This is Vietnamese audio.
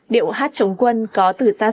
điệu hát chống quân có từ xa xưa